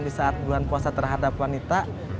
di saat bulan puasa terhadap wanita